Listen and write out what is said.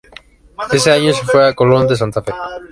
Ese año se fue a Colón de Santa Fe.